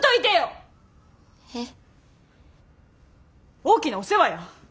大きなお世話や。